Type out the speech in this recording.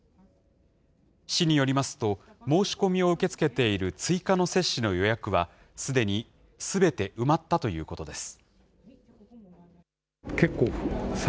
市によりますと、申し込みを受け付けている追加の接種の予約は、すでにすべて埋まったということです。